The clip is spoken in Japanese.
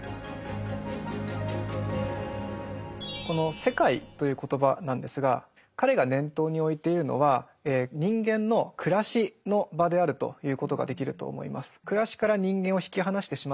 この「世界」という言葉なんですが彼が念頭に置いているのは人間の暮らしの場であると言うことができると思います。